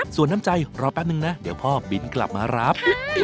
ส่วนน้ำใจรอแป๊บนึงนะเดี๋ยวพ่อบินกลับมารับ